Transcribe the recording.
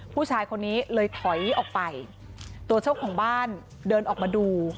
ผู้ชายคนนี้เลยถอยออกไปตัวเจ้าของบ้านเดินออกมาดู